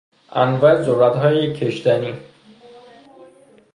انواع ذرتهای کشتنی